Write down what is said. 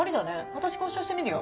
私交渉してみるよ